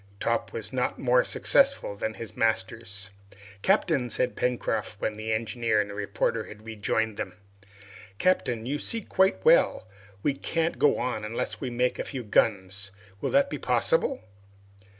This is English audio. Top was not more successful than his masters. "Captain," said Pencroft, when the engineer and the reporter had rejoined them, "Captain, you see quite well we can't get on unless we make a few guns. Will that be possible?"